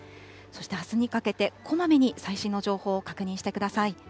そしてあすにかけてこまめに最新の情報を確認してください。